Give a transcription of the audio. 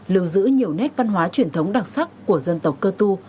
lưu giữ nhiều nét văn hóa truyền thống đặc sắc của dân tộc cơ tu